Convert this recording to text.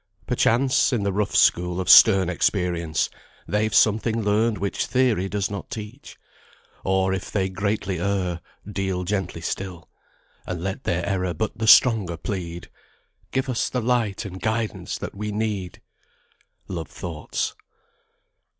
Perchance, in the rough school of stern experience, They've something learned which Theory does not teach; Or if they greatly err, deal gently still, And let their error but the stronger plead 'Give us the light and guidance that we need!'" LOVE THOUGHTS.